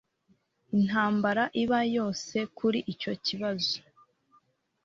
Intambara iba yose kuri icyo kibazo.